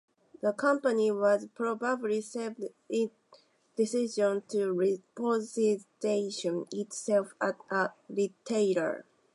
The company was probably saved by its decision to reposition itself as a retailer.